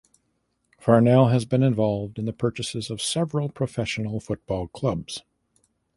Farnell has been involved in the purchases of several professional football clubs.